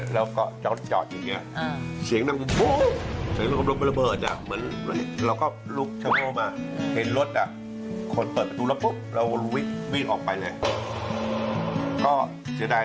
แล้วก็มาเป็นนายกสมาคมเชียร์ไทย